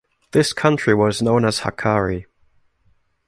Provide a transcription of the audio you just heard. This country was known as Hakkari.